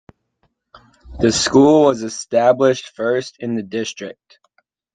The school was established first in the district.